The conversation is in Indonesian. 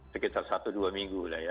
sekitar satu dua minggu